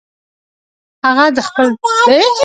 هغه د خپل ځای څخه پورته شو.